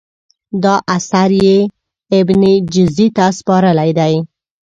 دا اثر یې ابن جزي ته سپارلی دی.